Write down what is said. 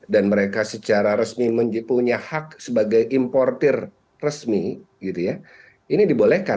dan mereka secara resmi punya hak sebagai importer resmi ini dibolehkan